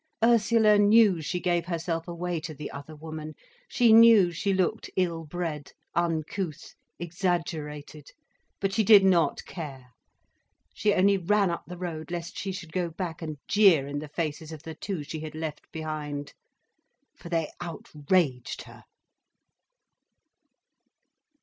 Ursula knew she gave herself away to the other woman, she knew she looked ill bred, uncouth, exaggerated. But she did not care. She only ran up the road, lest she should go back and jeer in the faces of the two she had left behind. For they outraged her.